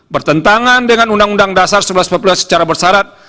bertentangan dengan undang undang dasar sebelas empat belas secara bersarat